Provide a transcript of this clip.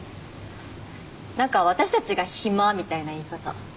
なんか私たちが暇みたいな言い方。